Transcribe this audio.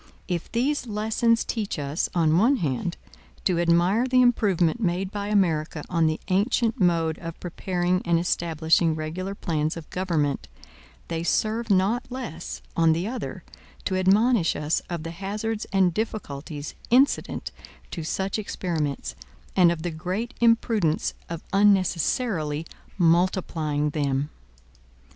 If these lessons teach us, on one hand, to admire the improvement made by America on the ancient mode of preparing and establishing regular plans of government, they serve not less, on the other, to admonish us of the hazards and difficulties incident to such experiments, and of the great imprudence of unnecessarily multiplying them.